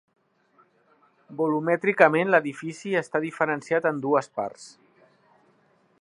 Volumètricament l'edifici està diferenciat en dues parts.